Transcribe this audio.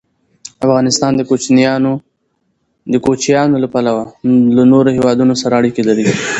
افغانستان د کوچیانو له پلوه له نورو هېوادونو سره اړیکې لري.